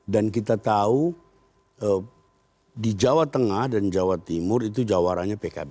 dan kita tahu di jawa tengah dan jawa timur itu jawarannya pkb